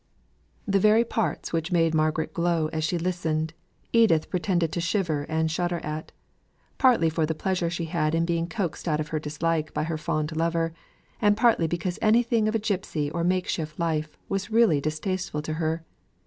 The very parts which made Margaret glow as she listened, Edith pretended to shiver and shudder at; partly for the pleasure she had in being coaxed out of her dislike by her fond lover, and partly because anything of a gipsy or make shift life was really distasteful to her.